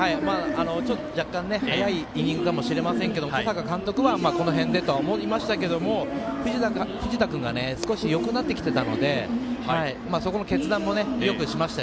若干、早いイニングかもしれないですが、小坂監督はこの辺でと思いましたけども藤田君が少しよくなってきていたのでそこの決断もよくしました。